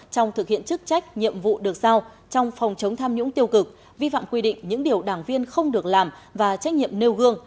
trong thực hiện chức trách nhiệm vụ được giao trong phòng chống tham nhũng tiêu cực vi phạm quy định những điều đảng viên không được làm và trách nhiệm nêu gương